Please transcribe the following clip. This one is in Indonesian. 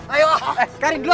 ayo kita cabut tuh